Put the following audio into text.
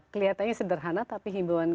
kelihatannya sederhana tapi